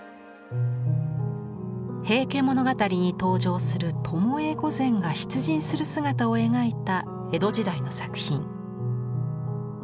「平家物語」に登場する巴御前が出陣する姿を描いた江戸時代の作品。